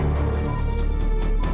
pak aku mau pergi